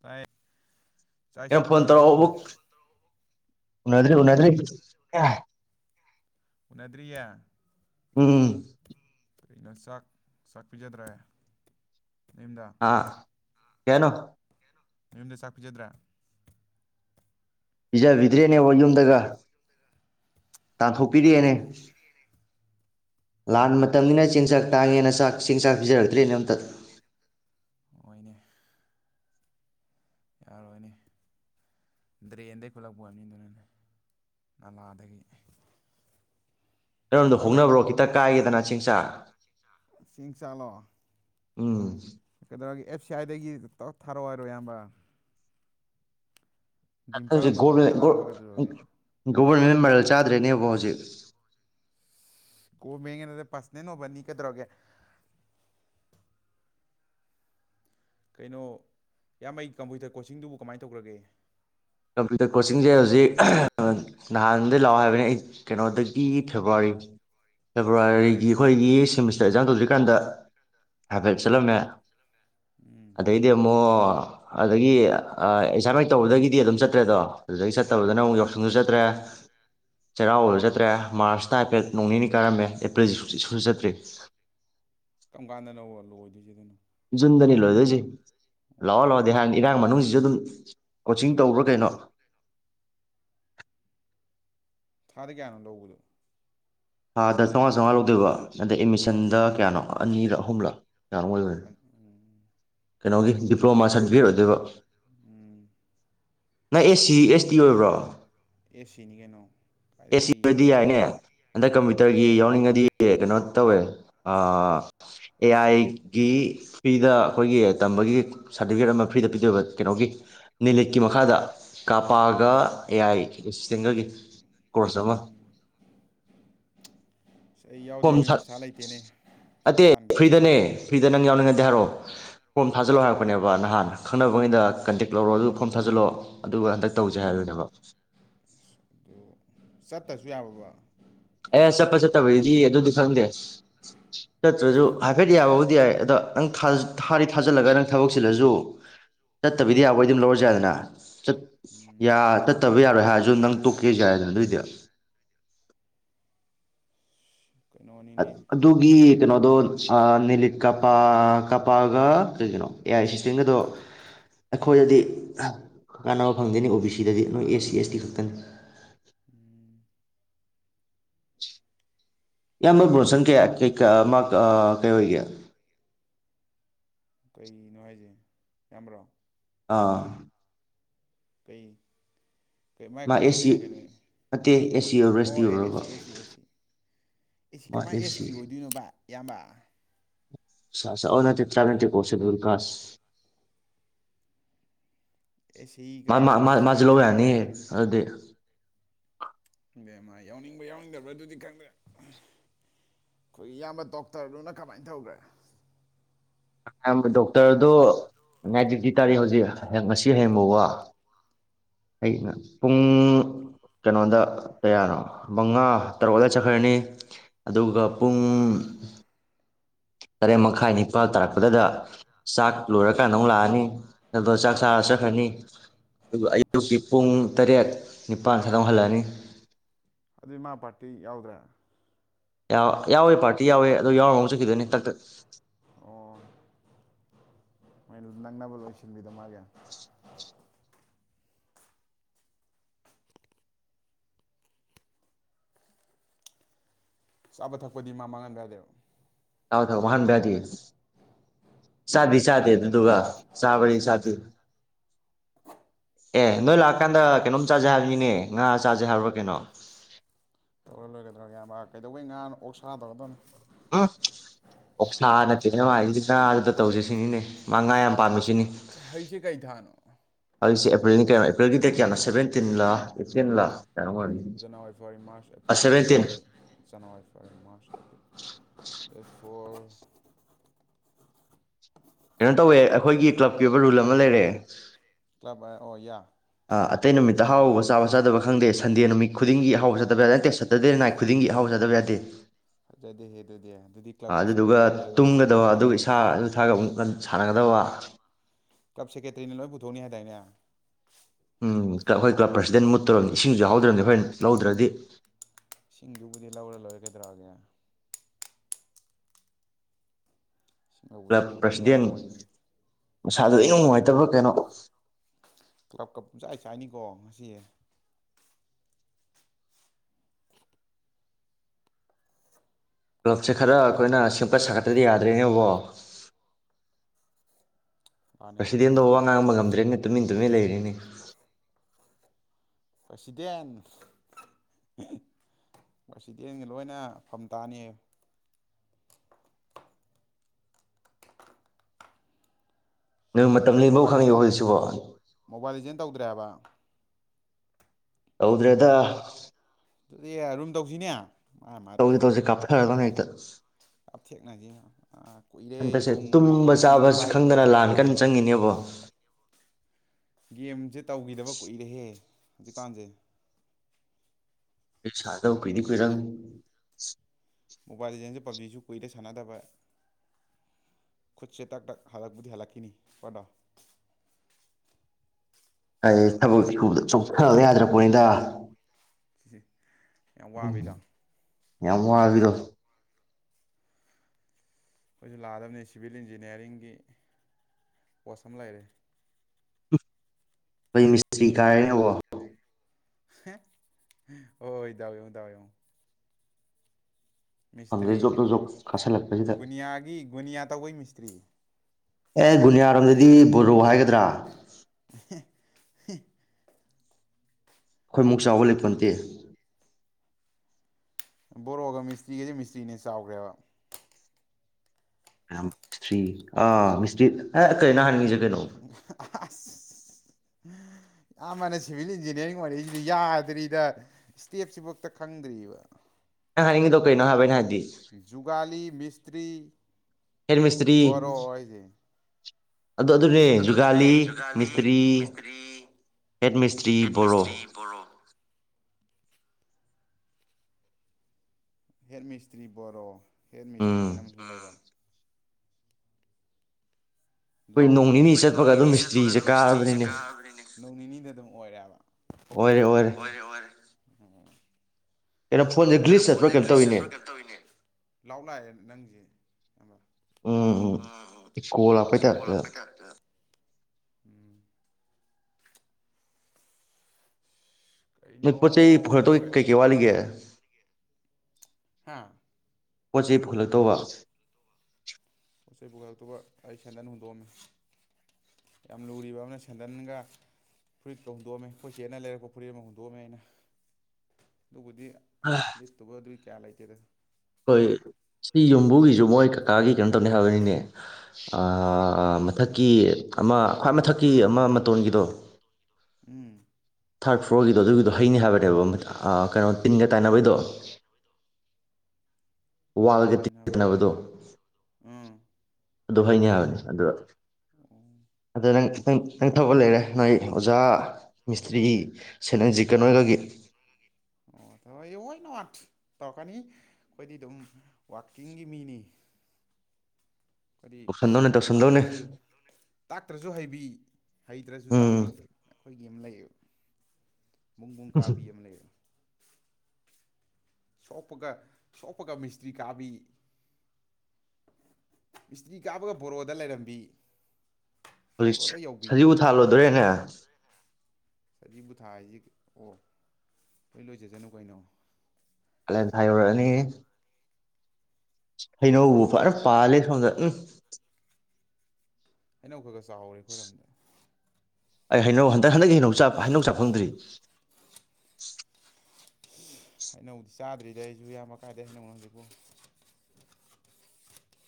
ꯇꯥꯏꯌꯦ [unintelligible] ꯐꯣꯟ ꯇꯧꯔꯛꯑꯣꯕꯨ ꯎꯅꯗꯔ꯭ꯤ ꯎꯅꯗꯔ꯭ꯤ ꯎꯅꯗ꯭ꯔꯤꯌꯦ ꯎꯝ [unintelligible] ꯅ ꯆꯥꯛ ꯆꯥꯛꯄꯤꯖꯗ꯭ꯔꯦ꯫ ꯑꯥ ꯀꯩ ꯍꯥꯏꯅꯣ ꯅꯌꯨꯝꯗ ꯆꯥꯛ ꯄꯤꯖꯗ꯭ꯔꯦ ꯍꯖꯕꯤꯗ꯭ꯔꯦꯅꯦ ꯕꯣ ꯌꯨꯝꯗꯒ ꯇꯥꯟꯊꯣꯛꯄꯤꯔꯤꯑꯦꯅꯦ ꯌꯥꯔꯣꯏꯅꯦ ꯂꯥꯟ ꯃꯇꯝꯅꯤꯅ ꯆꯦꯡꯖꯥꯛ ꯇꯥꯡꯉꯦꯅ ꯆꯥꯛ ꯆꯦꯡꯖꯥꯛ ꯄꯤꯖꯔꯛꯇ꯭ꯔꯦꯅꯦ ꯑꯝꯇ ꯍꯣꯏꯅꯦ ꯌꯥꯔꯣꯏꯅꯦ ꯗ꯭ꯔꯦꯟꯗꯒꯤ ꯈꯨꯂꯛꯄ ꯑꯣꯏꯔꯝꯅꯤꯅꯦ ꯅꯂꯥꯗꯒꯤ ꯅꯣꯢꯔꯣꯝꯗ ꯌꯥꯝꯃꯩ ꯍꯣꯡꯅꯕ꯭ꯔꯣ ꯈꯤꯇ ꯀꯥꯏꯒꯦꯗꯅ ꯆꯦꯡꯆꯥꯛ꯫ ꯆꯦꯡ ꯆꯥꯛꯂꯣ ꯎꯝ [unintelligible] ꯑꯦꯞ ꯁꯤ ꯑꯥꯏꯗꯒꯤ ꯇꯧꯔꯥ ꯊꯔꯛꯎ ꯍꯥꯏꯔꯣ ꯏꯌꯥꯝꯕ ꯗꯤꯝꯄꯔ ꯍꯧꯖꯤꯛ ꯑꯃꯇꯛ ꯊꯥꯛ ꯒꯣꯔꯃꯦꯟ ꯊꯔꯥ ꯂꯣꯏ ꯀꯩꯗꯧꯔꯒꯦ [unintelligible] ꯃꯔꯜ ꯆꯥꯗ꯭ꯔꯦꯅꯦꯕꯣ ꯍꯧꯖꯤꯛ ꯀꯣ [unintelligible] ꯄꯥꯁꯅꯦꯟ ꯑꯣꯕꯅꯤ ꯀꯗꯧꯔꯒꯦ ꯀꯩꯅꯣ ꯌꯥꯝꯃꯩ ꯀꯝꯄ꯭ꯌꯨꯇꯔ ꯀꯣꯆꯤꯡꯗꯨꯕꯨ ꯀꯃꯥꯏꯅ ꯇꯧꯈ꯭ꯔꯒꯦ ꯀꯝꯄ꯭ꯌꯨꯇꯔ ꯀꯣꯆꯤꯡꯁꯦ ꯍꯧꯖꯤꯛ ꯅꯍꯥꯟꯗꯒꯤ ꯂꯥꯛꯑꯣ ꯍꯥꯏꯕꯅꯤ ꯑꯩ ꯀꯩꯅꯣꯗꯒꯤ ꯐꯦꯕꯨꯋꯥꯔꯤ ꯐꯦꯕ꯭ꯔꯨꯋꯥꯔꯤꯒꯤ ꯑꯩꯈꯣꯏꯒꯤ ꯁꯦꯃꯤꯁꯇꯔ ꯑꯦꯛꯖꯥꯝ ꯇꯧꯗ꯭ꯔꯤꯀꯥꯟꯗ ꯍꯥꯏꯐꯦꯠ ꯆꯠꯂꯝꯃꯦ ꯎꯝ ꯑꯗꯩꯗꯤ ꯑꯃꯨꯛ ꯑ ꯑꯗꯒꯤ ꯏꯁꯥꯃ ꯍꯦꯛ ꯇꯧꯕꯗꯒꯤꯗꯤ ꯑꯗꯨꯝ ꯆꯠꯇ꯭ꯔꯦꯗꯣ ꯑꯗꯨꯗꯒꯤ ꯆꯠꯇꯕꯗꯅ ꯑꯃꯨꯛ ꯌꯥꯎꯁꯪꯁꯨ ꯆꯠꯇ꯭ꯔꯦ ꯆꯩꯔꯥꯎꯕꯁꯨ ꯆꯠꯇ꯭ꯔꯦ ꯃꯥꯔꯁꯇ ꯍꯥꯏꯐꯦꯠ ꯅꯣꯡ ꯅꯤꯅꯤ ꯀꯥꯔꯝꯃꯦ ꯑꯦꯄ꯭ꯔꯤꯜꯁꯤ ꯁꯨꯡꯁꯨ ꯆꯠꯇ꯭ꯔꯤ ꯀꯔꯝ ꯀꯥꯟꯗꯅꯣ ꯂꯣꯏꯗꯣꯏꯁꯤ ꯑꯗꯨꯅ ꯖꯨꯟꯗꯅꯤ ꯂꯣꯏꯗꯣꯏꯁꯦ ꯂꯥꯛꯑꯣ ꯑꯣ ꯂꯥꯛꯑꯣꯗꯤ ꯍꯥꯟ ꯏꯔꯥꯡ ꯃꯅꯨꯡꯁꯤꯁꯨ ꯑꯗꯨꯝ ꯀꯣꯆꯤꯡ ꯇꯧꯕ꯭ꯔꯥ ꯀꯩꯅꯣ ꯊꯥꯗ ꯀꯌꯥꯅꯣ ꯂꯧꯕꯗꯣ ꯊꯥꯗ ꯆꯥꯑꯣꯉꯥ ꯆꯥꯑꯣꯡ ꯂꯧꯗꯣꯏꯕ ꯑꯗꯩ ꯑꯣ ꯑꯦꯃꯤꯁꯟꯗ ꯀꯌꯥꯅꯣ ꯑꯅꯤꯔ ꯍꯨꯝꯂꯥ ꯌꯥꯔꯣ [unintelligible] ꯎꯝ ꯀꯩꯅꯣꯒꯤ ꯗꯤꯄ꯭ꯂꯣꯃꯥ ꯁꯥꯔꯇꯤꯐꯤꯀꯦꯠ ꯑꯣꯏꯗꯣꯏꯕ ꯎꯝ ꯅ ꯏꯁ ꯇꯤ ꯑꯦꯁ ꯇꯤ ꯑꯣꯏꯕ꯭ꯔꯣ ꯑꯦꯁ ꯁꯤꯅꯤ ꯀꯩꯅꯣ ꯑꯦꯁ ꯀꯥꯏꯗꯩ ꯁꯤ ꯑꯩ ꯑꯣꯏꯔꯗꯤ ꯑꯦꯁꯇꯤ ꯌꯥꯏꯅꯦ ꯍꯟꯗꯛ ꯀꯝꯄ꯭ꯌꯨꯇꯔꯒꯤ ꯌꯥꯎꯅꯤꯡꯉꯗꯤ ꯀꯩꯅꯣ ꯇꯧꯋꯦ ꯑꯦ ꯑꯥꯏꯒꯤ ꯐ꯭ꯔꯤꯗ ꯑꯩꯈꯣꯏꯒꯤ ꯇꯝꯕꯒꯤ ꯁꯥꯔꯇꯤꯐꯤꯀꯦꯠ ꯑꯃ ꯐ꯭ꯔꯤꯗ ꯄꯤꯗꯕ ꯀꯩꯅꯣꯒꯤ ꯅꯤꯂꯤꯠꯀꯤ ꯃꯈꯥꯗ ꯀꯥꯄꯥꯒ ꯎꯝ ꯑꯦ ꯑꯥꯏ ꯑꯦꯁꯤꯇꯦꯟꯇꯒꯒꯤ ꯀꫭꯔꯁ ꯑꯃ ꯎꯝ ꯑꯁ ꯑꯩ ꯌꯥꯎꯗꯤ ꯐꫭꯝ ꯌꯥꯎꯅꯤꯡ ꯄꯩꯁꯥ ꯂꯩꯇꯦꯅꯦ [inaudible] ꯄꯩꯁꯥ ꯅꯠꯇꯦ ꯇꯥꯟꯈꯤꯒꯦ ꯐ꯭ꯔꯤꯗꯅꯦ ꯐ꯭ꯔꯤꯗ ꯅꯪ ꯌꯥꯎꯅꯤꯡꯉꯗꯤꯦ ꯍꯥꯏꯔꯣ ꯎꯝ ꯐꫭꯝ ꯊꯥ ꯊꯥꯖꯤꯜꯂꫭ ꯍꯥꯏꯔꯛꯄꯅꯦꯕ ꯅꯍꯥꯟ ꯈꯪꯅꯕꯒꯩꯗ ꯀꯟꯇꯦꯛ ꯂꯧꯔꯣ ꯑꯗꯨꯒ ꯐꯣꯝ ꯊꯥꯖꯤꯜꯂꫭ ꯑꯗꯨꯒ ꯍꯟꯗꯛ ꯇꯧꯖꯦ ꯍꯥꯏꯔꯛꯄꯅꯦꯕ ꯑꫭ ꯆꯠꯇ꯭ꯔꯁꯨ ꯌꯥꯔꯕꫭꯕ ꯑꯦ ꯆꯠꯄ ꯆꯠꯇꯕꯩꯒꯤ ꯑꯗꯨꯗꯤ ꯈꯪꯗꯦ ꯆꯠꯇ꯭ꯔꯖꯨ ꯍꯥꯏꯐꯦꯠ ꯌꯥꯕꯕꯨꯗꯤ ꯌꯥꯏ ꯑꯗ ꯅꯪ ꯊꯥꯗꯤ ꯊꯥꯖꯤꯜꯂꯒ ꯅꯪ ꯊꯕꯛ ꯆꯤꯜꯂꯁꯨ ꯆꯠꯇꯕꯤꯗ ꯌꯥꯕ ꯑꫭꯔꯗꯤ ꯑꯗꯨꯝ ꯂꯧꯔꯁꯨ ꯌꯥꯏꯗꯅ ꯆꯠ ꯎꯝ ꯌꯥ ꯇꯠ ꯆꯠꯇꯕ ꯌꯥꯔꯣꯏ ꯍꯥꯏꯔꯁꯨ ꯅꯪ ꯇꯣꯛꯀꯦꯁꯨ ꯌꯥꯏꯗꯅ ꯑꯗꯨ ꯑꯣꯏꯗꯤ ꯀꯩꯅꯣꯅꯤꯅꯦ ꯑꯗꯨꯒꯤ ꯀꯩꯅꯣꯗꯣ ꯑ ꯅꯤꯂꯤꯠ ꯀꯄꯥ ꯀꯄꯥꯒ ꯀꯩꯒꯅꯣ ꯑꯦ ꯑꯥꯏ ꯑꯦꯁꯤꯁꯇꯦꯟꯒꯗꯣ ꯑꯩꯈꯣꯏꯗꯗꯤ ꯀꯥꯟꯅꯕ ꯐꯪꯗꯣꯏꯅꯤ ꯑꯈꫭꯏꯗꯗꯤ ꯑꯣ ꯕꯤ ꯁꯤꯗꯗꯤ ꯅꯣꯏ ꯑꯦꯁ ꯁꯤ ꯑꯦꯁ ꯇꯤ ꯈꯛꯇꯅꯤ ꯎꯝ ꯏꯌꯥꯝꯕ ꯑꯣ ꯕꯤ ꯕ꯭ꯔꫭꯁꯟ ꯁꯤ ꯀꯦ ꯀ ꯃꯥ ꯀ ꯀꯩ ꯑꯣꯏꯒꯦ ꯀꯩꯅꯣ ꯍꯥꯏꯁꯦ ꯌꯥꯝꯕ꯭ꯔꯣ ꯑꯥ ꯀꯩ ꯀꯩꯃꯥꯏ ꯃꯥ ꯑꯦꯁ ꯀꯣꯆꯤꯡ ꯁꯤ ꯆꯠꯂꯤ ꯀꯩꯅꯣ ꯅꯠꯇꯦ ꯑꯦꯁ ꯁꯤ ꯑꯣꯏꯕ꯭ꯔꯥ ꯑꯦꯁ ꯑꯣ ꯇꯤ ꯑꯦ ꯑꯦ ꯑꯣꯏꯕ꯭ꯔꯕ ꯁꯤ ꯑꯦ ꯁꯤ ꯑꯦ ꯁꯤ ꯑꯦꯁꯤ ꯃꯥ ꯀꯃꯥꯏꯅ ꯑꯦꯁ ꯁꯤ ꯇꯤ ꯑꯣꯏꯗꯣꯏꯅꯣꯕ ꯏꯌꯥꯝꯕ ꯁꯥ ꯁ ꯑꯣ ꯅꯠꯇꯦ ꯇ꯭ꯔꯥꯏꯕꯦꯜ ꯇꯦꯀꫭ ꯁꯦꯗꯨꯜ ꯀꯥꯁ ꯑꯦꯁ ꯃꯥ ꯁꯤꯒ ꯃꯥ ꯑꯣ ꯕꯤ ꯃꯥꯁꯨ ꯁꯤꯒ ꯂꯧ ꯖꯦꯅꯦꯔꯦꯜꯒ ꯌꯥꯅꯤꯍꯦ ꯉꯥꯛꯇꯅꯤ ꯑꯗꯨꯗꯤ ꯗꯦ ꯃꯥ ꯌꯥꯎꯅꯤꯡꯕ꯭ꯔ ꯌꯥꯎꯅꯤꯡꯗꯕ꯭ꯔꯥ ꯗꯨꯗꯤ ꯈꯪꯗ꯭ꯔꯦ ꯈꯣꯏ ꯏꯌꯥꯝꯕ ꯗꯣꯛꯇꯔꯗꯨꯅ ꯀꯃꯥꯏꯅ ꯇꯧꯈ꯭ꯔꯦ ꯅꯌꯥꯝꯕ ꯗꯣꯛꯇꯔꯗꯣ ꯅꯥꯏꯠ ꯗ꯭ꯌꯨꯇꯤ ꯇꯥꯔꯤ ꯍꯧꯖꯤꯛ ꯉꯁꯤ ꯍꯌꯦꯡ ꯐꯥꯎꯕ ꯑꯩ ꯉ ꯄꯨꯡ ꯀꯩꯅꯣꯗ ꯀꯌꯥꯅꯣ ꯃꯉꯥ ꯇꯔꯨꯛꯗ ꯑꯗꯥꯏꯅ ꯆꯠꯈ꯭ꯔꯅꯤ ꯑꯗꯨꯒ ꯄꯨꯡ ꯇꯔꯦꯠ ꯃꯈꯥꯏ ꯅꯤꯄꯥꯜ ꯇꯥꯔꯛꯄꯗꯗ ꯆꯥꯛ ꯂꯣꯏꯔꯀꯥꯟꯗ ꯑꯃꯛ ꯂꯥꯛꯑꯅꯤ ꯑꯗꯨꯒ ꯆꯥꯛ ꯆꯥꯔ ꯆꯠꯈ꯭ꯔꯅꯤ ꯑꯗꯨꯒ ꯎꯝ ꯑꯌꯨꯛꯀꯤ ꯄꯨꯡ ꯇꯔꯦꯠ ꯅꯤꯄꯥꯜ ꯁꯥꯏꯗ ꯑꯃꯨꯛ ꯍꯜꯂꯛꯑꯅꯤ ꯑꯗꯨꯏ ꯃꯥ ꯄꯥꯔꯇꯤ ꯌꯥꯎꯗ꯭ꯔꯦ ꯌꯥꯎ ꯌꯥꯎꯋꯦ ꯄꯥꯔꯇꯤ ꯌꯥꯎꯋꯦ ꯑꯗꯨ ꯄꯥꯔꯇꯤ ꯌꯥꯎꯔꯝꯃ ꯆꯠꯈꯤꯗꯣꯏꯅꯦ ꯌꯥꯎꯕ ꯇꯛ ꯇꯛ ꯆꯠꯈꯤꯗꯣꯏꯅꯤ ꯃꯥꯏꯗꯣ ꯅꯪꯅꯕ ꯂꯣꯏꯁꯤꯕꯤꯗꯣ ꯃꯥꯒꯤ ꯆꯥꯕ ꯊꯛꯄꯗꯤ ꯃꯥ ꯃꯥꯡꯍꯟꯕ ꯌꯥꯗꯦꯕ [unintelligible] ꯋꯥꯍꯟꯕ ꯌꯥꯗꯦ ꯆꯥꯗꯤ ꯆꯥꯗꯦ ꯑꯗꯨꯗꯨꯒ ꯆꯥꯕꯗꯤ ꯆꯥꯗꯦ ꯑꯦ ꯅꯣꯏ ꯂꯥꯛꯀꯥꯟꯗ ꯀꯩꯅꯣꯝ ꯆꯥꯖꯦ ꯍꯥꯏꯕꯅꯤꯅꯦ ꯉꯥ ꯆꯥꯖꯦ ꯍꯥꯏꯕ꯭ꯔꯥ ꯀꯩꯅꯣ ꯇꯧꯔ ꯂꯣꯏꯔꯦꯗꯅ ꯏꯌꯥꯝꯕ ꯀꯩꯗꯧꯕꯩ ꯉꯥꯅꫭ ꯑꯣꯛ ꯁꯥ ꯇꯧꯔꯗꯧꯅꯤ ꯎꯝ ꯑꯣꯛꯁꯥ ꯅꯠꯇꯦꯅꯦ ꯃꯥꯏꯁꯤꯗꯤ ꯉꯥꯗꯨꯗ ꯇꯧꯁꯦ ꯁꯤꯅꯤꯅꯦ ꯃꯥ ꯉꯥ ꯌꯥꯝ ꯄꯥꯝꯃ‌ꯦ ꯁꯤ ꯍꯩꯁꯦ ꯀꯩ ꯊꯥꯅꫭ ꯍꯧꯖꯤꯛꯁꯦ ꯑꯦꯄ꯭ꯔꯤꯜꯅꯤ ꯀꯩꯅꯣ ꯑꯦꯄꯔꯤꯜ ꯑꯦꯄ꯭ꯔꯤꯜꯒꯤ ꯗꯦꯠ ꯀꯌꯥꯅꯣ ꯁꯚꯦꯟꯇꯤꯟꯂ ꯑꯩꯠꯇꯤꯟꯂ ꯎꯝ ꯀꯌꯥꯅꯣꯝ ꯑꯣꯏꯕꯅꯤ ꯖꯅꯋꯥꯔꯤ ꯐꯦꯕ꯭ꯋꯥꯔꯤ ꯃꯥꯔꯁ ꯑꯁ April May seventeen January February March April ꯑꯦ ꯐꫭꯔ ꯀꯩꯅꯣ ꯇꯧꯋꯦ ꯑꯩꯈꯣꯏꯒꯤ ꯗꯦꯠ ꯀ꯭ꯂꯕꯀꯤ ꯑꯣꯏꯕ ꯔꯨꯜ ꯑꯃ ꯂꯩꯔꯦ [inaudible] ꯀ꯭ꯂꯕ ꯑꯣ ꯌꯥ ꯑꯇꯩ ꯅꯨꯃꯤꯠꯇ ꯍꯥꯏꯌꯨ ꯍꯥꯎꯕ ꯇꯥꯖꯩ ꯆꯥꯕ ꯆꯥꯗꯕ ꯈꯪꯗꯦ ꯁꯟꯗꯦ ꯅꯨꯃꯤꯠ ꯈꯨꯗꯤꯡꯒꯤ ꯑꯍꯥꯎ ꯆꯠꯇꯕ ꯌꯥꯗꯦ ꯅꯠꯇꯦ ꯁꯇꯔꯗꯦ ꯅꯥꯏꯠ ꯈꯨꯗꯤꯡꯒꯤ ꯑꯍꯕ ꯆꯠꯇꯕ ꯌꯥꯗꯦ ꯐꯖꯗꯦꯍꯦ ꯑꯗꯨꯗꯤ ꯑꯗꯨꯗꯤ ꯀ꯭ꯂꯕꯀꯤ ꯑꯗꯨꯗꯨꯒ ꯁꯦꯀ꯭ꯔꯦꯇꯔꯤꯅ ꯂꯣꯏ ꯇꯨꯝꯒꯗꯕ ꯄꯨꯊꯣꯛꯅꯤ ꯑꯗꯨꯒ ꯍꯥꯏꯗꯥꯏꯅꯦ ꯏꯁꯥ ꯊꯥꯒ ꯑꯃꯨꯛꯀ ꯁꯥꯟꯅꯒꯗꯕ [inaudible] ꯀ꯭ꯂꯕ ꯁꯦꯀ꯭ꯔꯦꯇꯔꯤꯅ ꯂꯣꯏ ꯄꯨꯊꯣꯛꯅꯤ ꯍꯥꯏꯗꯥꯅꯦ ꯎꯝ ꯑꯩꯈꯣꯏ ꯀ꯭ꯂꯕ ꯄ꯭ꯔꯁꯤꯗꯦꯟ ꯃꯨꯠꯇꯧꯔꯕꯅꯤ ꯏꯁꯤꯡꯁꯨ ꯌꯥꯎꯗ꯭ꯔꯕꯅꯤ ꯑꯩꯈꯣꯏꯅ ꯂꯧꯗ꯭ꯔꯗꯤ ꯏꯁꯤꯡꯗꯨꯕꯨꯗꯤ ꯂꯧꯔꯥ ꯂꯣꯏꯔꯦ ꯀꯩꯗꯩꯔꯒꯦ꯫ ꯁꯤꯡ ꯂꯧꯕꯗꯨꯗꯤ ꯀꯩ ꯌꯥꯝ ꯂꯥꯏꯕ ꯋꯥꯔꯤꯅꯤ ꯃꯁꯥꯗꯨꯗ ꯑꯩꯩꯅ ꯅꯨꯡꯉꯥꯏꯇꯕ꯭ꯔꯥ ꯀꯩꯅꯣ ꯀ꯭ꯂꯕ ꯀ ꯆꯥꯏ ꯆꯥꯏꯅꯤꯀꯣ ꯉꯁꯤꯦ ꯀ꯭ꯂꯕꯁꯦ ꯀ꯭ꯂꯕꯀ ꯈꯔ ꯄꯨꯡꯆꯥꯏ ꯑꯩꯈꯣꯏꯅ ꯆꯥꯏꯔꯦ ꯅꯪ ꯁꯦꯀꯠ ꯁꯥꯒꯠ ꯇ꯭ꯔꯗꯤ ꯌꯥꯗ꯭ꯔꯦꯅꯦꯕꯣ ꯌꯧꯔꯛꯑꯅꯤ ꯑꯩ ꯄ꯭ꯔꯛꯁꯤꯗꯦꯟꯗꯣ ꯋꯥ ꯌꯧꯔꯛꯑꯅꯤ ꯁꯣꯏ ꯉꯥꯡꯕ ꯌꯧꯔꯛꯑꯅꯤ ꯉꯝꯗ꯭ꯔꯦꯅꯦ ꯇꯨꯃꯤꯟ ꯇꯨꯃꯤꯟ ꯂꯩꯔꯦꯅꯦ [inaudible] ꯄ꯭ꯔꯁꯤꯗꯦꯟ ꯄ꯭ꯔꯁꯤꯗꯦꯟꯒ ꯂꯣꯏꯅ ꯐꯝ ꯇꯥꯅꯤ ꯌꯣ꯫ ꯅꯪ ꯃꯇꯝ ꯂꯩꯕꯥꯎ ꯈꯪꯉꯛꯕꯣ ꯍꯧꯖꯤꯛꯁꯤꯕꯣ ꯇꯧꯗ꯭ꯔꯦꯕ ꯍꯧꯗ꯭ꯔꯦꯗ ꯑꯗꯨꯗꯤ ꯔꯨꯝ ꯇꯧꯁꯤꯅꯦ ꯇꯧꯁꯤꯦ ꯇꯧꯁꯤꯦ ꯀꯥꯄꯔꯦ ꯐꯔꯗꯧꯅꯦ ꯍꯦꯛꯇ ꯀꯞꯊꯦꯡꯅꯁꯤ ꯀꯨꯏꯔꯦ ꯍꯟꯗꯛꯁꯦ ꯔꯨꯝ ꯇꯨꯝꯕ ꯄꯞꯖꯤꯒ ꯆꯥꯕꯁꯤ ꯄꯥꯏꯈꯤꯗꯕ ꯈꯪꯗꯅ ꯂꯥꯟ ꯀꯟꯅ ꯆꯪꯉꯤꯅꯦꯕꯣ [inaudible] ꯒꯦꯝꯁꯦ ꯇꯧꯈꯤꯗꯕ ꯀꯨꯏꯔꯦꯍꯦ ꯍꯧꯖꯤꯛꯀꯥꯟꯁꯦ ꯑꯩ ꯁꯥꯅꯗꯕ ꯀꯨꯏꯗꯤ ꯀꯨꯏꯔꯝ ꯃꯣꯕꯥꯏꯜ ꯂꯤꯖꯦꯟꯖꯨ ꯄꯕꯖꯤꯖꯨ ꯀꯨꯏꯔꯦ ꯁꯥꯟꯅꯗꯕ ꯈꯨꯠꯁꯦ ꯇꯛ ꯇꯛ ꯍꯜꯂꯛꯄꯨꯗꯤ ꯍꯜꯂꯛꯈꯤꯅꯤ ꯄꯣꯠꯇꯣ꯫ ꯑꯩ ꯊꯕꯛꯇꯤꯕ ꯆꯨꯝꯊꯂꯛ ꯌꯥꯗ꯭ꯔꯄꯅꯤꯗ ꯁꯤ ꯌꯥꯝ ꯋꯥꯕꯤꯗ ꯌꯥꯝ ꯋꯥꯕꯤꯔꯣ ꯑꯩꯈꯣꯏꯁꯨ ꯂꯥꯛꯀꯗꯕꯅꯤ ꯁꯤꯚꯤꯜ ꯏꯟꯖꯤꯅꯤꯌꯥꯔꯤꯡꯒꯤ ꯄꯣꯁ ꯑꯃ ꯂꯩꯔꯦ ꯑꯩꯈꯣꯏ ꯃꯤꯁꯇ꯭ꯔꯤ ꯀꯥꯥꯏꯔꯦꯅꯦꯕꯣ꯫ [unintelligible] ꯍꯣꯏ ꯍꯣꯏ ꯗꯥꯎ ꯌꯦꯡꯉꯣ ꯗꯥꯎ ꯌꯦꯡꯉꯣ꯫ ꯃꯤꯁꯇ꯭ꯔꯤ ꯐꯪꯗ꯭ꯔꯦ ꯖꯣꯕ ꯇꯨ ꯖꯣꯕ ꯀꯥꯁꯜꯂꯛꯄꯁꯤꯗ ꯒꯨꯅꯤꯌꯥꯒꯤ ꯒꯨꯅꯤꯌꯥ ꯇꯧꯕꯩ ꯃꯤꯁꯇ꯭ꯔꯤ ꯑꯦ ꯒꯨꯅꯤꯌꯥꯔꯣꯝꯗꯗꯤ ꯕꯣꯔꯣ ꯍꯥꯏꯒꯗ꯭ꯔꯥ ꯍꯦ꯫ ꯑꯩꯈꯣꯏ ꯑꯃꯨꯛ ꯆꯥꯎꯕ ꯂꯩꯄꯣꯟꯇꯦ ꯕꯣꯔꯣꯒ ꯃꯤꯁꯇ꯭ꯔꯤꯒꯁꯦ ꯃꯤꯁꯇ꯭ꯔꯤꯅꯦ ꯆꯥꯎꯈ꯭ꯔꯦꯕ ꯃꯌꯥꯝ ꯏꯊꯔꯤ ꯑ ꯑ ꯃꯤꯁꯇ꯭ꯔꯤ ꯀꯔꯤꯅꯣ ꯅꯪꯍꯥꯏꯅꯤꯡꯂꯤꯖꯦ꯫ [unintelligible] ꯑꯁ ꯑ ꯃꯥꯅ ꯁꯤꯚꯤꯜ ꯏꯟꯖꯤꯅꯤꯌꯥꯔꯤꯡ ꯑꯣꯏꯔꯛꯏꯁꯤ ꯌꯥꯗ꯭ꯔꯤꯗ ꯏꯁꯇꯦꯞꯁꯤꯐꯧꯇ ꯈꯪꯗ꯭ꯔꯤꯕ ꯅꯪ ꯍꯥꯏꯅꯤꯡꯉꯤꯗꯣ ꯀꯩꯅꯣ ꯍꯥꯏꯕ ꯑꯩꯅ ꯍꯥꯏꯗꯤ ꯖꯨꯒꯥꯂꯤ ꯃꯤꯁꯇ꯭ꯔꯤ ꯍꯦꯠ ꯃꯤꯁꯇ꯭ꯔꯤ ꯕꯣꯔꯣ ꯍꯥꯏꯖꯦ ꯑꯗꯣ ꯑꯗꯨꯅꯦ ꯖꯨꯒꯥꯂꯤ ꯃꯤꯁꯇ꯭ꯔꯤ ꯍꯦꯠ ꯃꯤꯁꯇ꯭ꯔꯤ ꯕꯣꯔꯣ ꯍꯦꯠꯃꯤꯁꯇ꯭ꯔꯤ ꯕꯣꯔꯣ ꯍꯦꯗ ꯎꯝ ꯃꯤꯁꯇ꯭ꯔꯤꯅ ꯑꯝꯁꯨ ꯂꯩꯕꯔꯣ ꯎꯝ ꯑꯩꯈꯣꯏ ꯂꯥꯎꯊꯔꯦ ꯅꯤꯅꯤ ꯅꯣꯡ ꯆꯠꯄꯒ ꯑꯗꯨꯝ ꯅꯤꯅꯤ ꯆꯠꯄꯒ ꯃꯤꯁꯇ꯭ꯔꯤꯁꯦ ꯑꯗꯨꯝ ꯃꯤꯁꯇ꯭ꯔꯤꯁꯦ ꯀꯥꯔꯕꯅꯤꯅꯦ ꯀꯥꯔꯕꯅꯤꯅꯦ ꯅꯣꯡ ꯅꯤꯅꯤꯗ ꯑꯗꯨꯝ ꯑꯣꯏꯔꯦꯕ ꯑꯣꯏꯔꯦ -ꯑꯣꯏꯔꯦ ꯎ [unintelligible] ꯀꯩꯅꯣ ꯐꯣꯟꯁꯦ ꯀꯩꯅꯣ ꯒ꯭ꯂꯤꯆ ꯆꯠꯄ꯭ꯔꯥ ꯐꯣꯟꯁꯦ ꯒ꯭ꯂꯤꯁ ꯇꯧꯋꯤꯅꯦ ꯆꯠꯄ꯭ꯔꯥ ꯀꯩꯅꯣꯝ ꯇꯧꯋꯤꯅꯦ ꯅꯪꯖꯦ ꯎꯝ ꯎꯝ ꯏꯀꯣꯂꯥꯛꯄꯩ ꯇꯥꯏꯞꯇ ꯎꯝ ꯅꯣꯢ ꯀꯩꯅꯣ ꯄꯣꯠ ꯆꯩ ꯄꯨꯈꯠꯇꯣꯏ ꯑꯩꯈꯣꯏ ꯀꯩ-ꯀꯩ ꯋꯥꯠꯂꯤꯒꯦ ꯍꯥ ꯄꯣꯠ ꯆꯩ ꯄꯨꯈꯠꯂꯛꯇꯧꯕ ꯄꯣꯠꯆꯩ ꯄꯨꯈꯠꯂꯛꯇꯧꯕ ꯑꯩ ꯁꯦꯟꯗꯟ ꯍꯨꯟꯗꯣꯛꯑꯝꯃꯦ ꯌꯥꯝ ꯂꯨꯔꯤꯕ ꯑꯃꯅ ꯁꯦꯟꯗꯟꯒ ꯐꯨꯔꯤꯠꯇꯣ ꯍꯨꯟꯗꯣꯛꯑꯝꯃꯦ ꯑꯩꯈꯣꯏꯆꯦꯅ ꯂꯩꯔꯛꯄ ꯐꯨꯔꯤꯠ ꯑꯃ ꯍꯨꯟꯗꯣꯛꯑꯝꯃꯦ ꯑꯩꯅ ꯑꯗꯨꯕꯨꯗꯤ ꯂꯤꯠꯇꯨꯕ ꯑꯗꯨꯏ ꯀꯌꯥ ꯂꯩꯇꯦꯗ ꯍꯣꯏ ꯁꯤ ꯌꯨꯝꯕꯨꯒꯤꯁꯨ ꯃꯣꯏ ꯀꯀꯥꯒꯤ ꯀꯩꯅꯣ ꯇꯧꯅꯤ ꯍꯥꯏꯕꯅꯤꯅꯦ ꯃꯊꯛꯀꯤ ꯑꯃ ꯈ꯭ꯋꯥꯏ ꯃꯊꯛꯀꯤ ꯑꯃ ꯃꯇꯣꯟꯒꯤꯗꯣ ꯎꯝ ꯊꯥ꯭ꯔꯠ ꯐ꯭ꯂ‌ꯣꯔꯒꯤꯗꯣ ꯑꯗꯨꯒꯤꯗꯣ ꯍꯩꯅꯤ ꯍꯥꯏꯕꯅꯦꯕ ꯑꯥ ꯀꯩꯅꯣ ꯇꯤꯟꯒ ꯇꯥꯏꯅꯕꯩꯗꯣ ꯇꯤꯟꯒ ꯋꯥꯜꯒ ꯇꯥꯏꯅꯕꯗꯤ ꯇꯥꯏꯅꯕꯗꯣ ꯎꯝ ꯑꯗꯨ ꯍꯩꯅꯤ ꯍꯥꯏꯕꯅꯤ ꯑꯗꯨ ꯑꯣ ꯑꯗꯣ ꯅꯪ ꯅꯪ -ꯅꯪ ꯊꯕꯛ ꯂꯩꯔꯦ ꯅꯣꯏ ꯑꯣꯖꯥ ꯃꯤꯁꯇ꯭ꯔꯤ ꯁꯦꯅꯜꯖꯤꯠ ꯀꯥ ꯅꯣꯏꯒꯒꯤ ꯑꯣ ꯋꯥꯏ ꯅꯣꯠ ꯇꯧꯔꯛꯀꯅꯤ ꯑꯩꯈꯣꯏꯗꯤ ꯑꯗꯨꯝ ꯥꯋꯥꯛꯀꯤꯡꯒꯤ ꯃꯤꯅꯤ ꯈꯣꯏꯗꯤ ꯇꯧꯁꯟꯗꯧꯅꯦ ꯇꯧꯁꯟꯗꯧꯅꯦ ꯇꯥꯛꯇ꯭ꯔꯁꯨ -ꯇꯥꯛꯇ꯭ꯔꯁꯨ ꯍꯩ ꯕꯤ ꯍꯩꯇ꯭ꯔꯁꯨ ꯇꯥꯛꯄꯤ ꯎꯝ ꯑꯩꯈꯣꯏ ꯒꯤꯝꯃꯥ ꯂꯩꯌꯦ ꯕꯨꯡꯕꯨꯡ ꯀꯥꯕꯤ ꯑꯃ ꯂꯩꯕꯅꯤ ꯁꯣꯛꯄꯒ ꯁꯣꯛꯄꯒ ꯃꯤꯁꯇ꯭ꯔꯤ ꯀꯥꯕꯤ ꯃꯤꯁꯇ꯭ꯔꯤ ꯀꯥꯕꯒ ꯕꯣꯔꯣꯗ ꯂꯩꯔꯝꯕꯤ ꯕꯣꯔꯣꯗ ꯍꯧꯖꯤꯛꯁ‌ꯦ ꯌꯧꯕꯤ ꯁꯖꯤꯕꯨ ꯊꯥ ꯂꯣꯏꯗꯣꯔꯦꯅꯦ ꯁꯖꯤꯕꯨꯊꯥ ꯍꯥꯏꯁꯤ ꯑꯣ ꯂꯣꯏ ꯂꯣꯏꯖꯁꯅꯨ ꯀꯩꯅꯣ ꯍꯂꯦꯟ ꯊꯥꯏꯔꯑꯅꯤ ꯍꯩꯅꯕꯨ ꯐꯅ ꯄꯥꯜꯂꯦ ꯁꯣꯝꯗ ꯎꯝ ꯑꯩꯅꯧ ꯈꯔ ꯈ ꯆꯥꯎꯍꯧꯔꯦ ꯑꯩꯈꯣꯏꯔꯣꯝꯗ ꯑꯩ ꯍꯩꯅꯧ ꯍꯟꯗꯛ ꯍꯟꯗꯛꯀꯤ ꯍꯩꯅꯧ ꯍꯩꯅꯧ ꯆꯥ ꯐꯪꯗ꯭ꯔꯤ ꯍꯩꯅꯧꯗꯤ ꯆꯥꯗ꯭ꯔꯤꯗ ꯑꯩꯁꯨ ꯌꯥꯝꯕ ꯀꯥꯏꯗꯩ ꯍꯩꯅꯧ ꯍꯧꯖꯤꯛꯄꯨ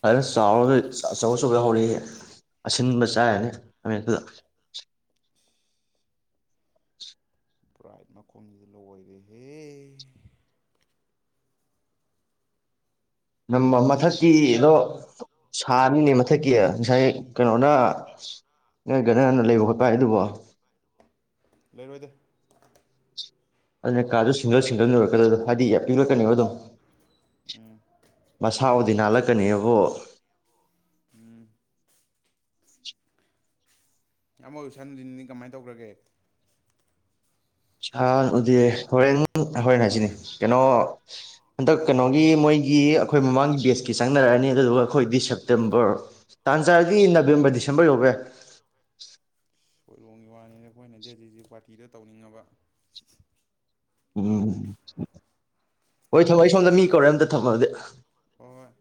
ꯐ ꯆꯥꯎꯔ ꯑꯆꯧ ꯑꯆꯧꯕ ꯍꯧꯔꯛꯏꯦ ꯑꯁꯤꯟꯕ ꯆꯥꯏꯔꯅꯦ ꯍꯥꯃꯦꯛꯇꯨꯗ ꯕ꯭ꯔꯥꯏꯠ ꯃꯈꯨꯝꯁꯤꯗ ꯂꯑꯣꯔꯦꯍꯦ ꯃꯊꯛꯀꯤꯗꯣ ꯁꯥꯅꯤꯅꯦ ꯃꯊꯛꯀꯤ ꯉꯁꯥꯏ ꯀꯩꯅꯣꯅ ꯅꯣꯏ ꯀꯅꯟꯅ ꯂꯩꯕ ꯈꯣꯠꯄ ꯍꯥꯏ ꯑꯗꯨꯕꯣ ꯂꯩꯔꯣꯏꯗꯦ ꯑꯗꯨꯅ ꯀꯥꯔꯗ ꯁꯤꯡꯒꯜ ꯁꯤꯡꯒꯜꯅ ꯑꯣꯏꯔꯛꯀꯗꯗꯣ ꯍꯥꯏꯗꯤ ꯌꯥꯝ ꯄꯤꯔꯛꯀꯅꯤꯕ ꯑ ꯑꯗꯨꯝ ꯎꯝ ꯃꯁꯥ ꯁꯤ ꯑꯣꯗꯤ ꯂꯩꯗꯣꯏꯅꯦ ꯅꯥꯜꯂꯛꯀꯅꯦꯕꯣ ꯎꯝ [inaudible] ꯑꯃꯃꯨ ꯁꯟꯅꯨꯖꯤꯟꯅꯤ ꯀꯃꯥꯏꯅ ꯇꯧꯈ꯭ꯔꯒꯦ ꯁꯥ ꯎꯗꯤ ꯍꯣꯔꯦꯟ ꯍꯣꯔꯦꯟ ꯍꯥꯏꯁꯤꯅꯦ ꯀꯩꯅꯣ ꯍꯟꯗꯛ ꯀꯩꯅꯣꯒꯤ ꯃꯣꯏꯒꯤ ꯑꯩꯈꯣꯏ ꯃꯃꯥꯡꯒꯤ ꯕꯦꯁꯀꯤ ꯆꯪꯅꯔꯛꯑꯅꯤ ꯑꯗꯨꯗꯨꯒ ꯑꯩꯈꯣꯏꯗꯤ ꯁꯦꯞꯇꯦꯝꯕꯔ ꯇꯥꯟ ꯆꯥꯔꯗꯤ ꯅꯕꯦꯝꯕꯔ ꯗꯤꯁꯦꯝꯕꯔ ꯌꯧꯕꯦ ꯁꯣꯏꯔꯣꯝꯒꯤ ꯋꯥꯅꯤꯗ ꯑꯩꯈꯣꯏꯅꯗꯤ ꯍꯧꯖꯤꯛ ꯍꯧꯖꯤꯛ ꯄꯥꯔꯇꯤꯗ ꯇꯧꯅꯤꯡꯉꯕ ꯎꯝ ꯍꯣꯏ ꯊꯝꯃꯣ ꯑꯩ ꯁꯣꯝꯗ ꯃꯤ ꯀꯧꯔꯦ ꯑꯝꯇ ꯊꯝꯃꯗꯤ ꯑꯣꯏ